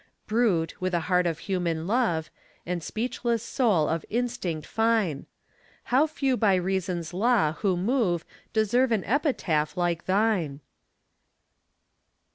Brute, with a heart of human love, And speechless soul of instinct fine! How few by reason's law who move Deserve an epitaph like thine!